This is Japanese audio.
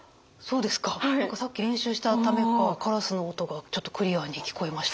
何かさっき練習したためかカラスの音がちょっとクリアに聞こえました。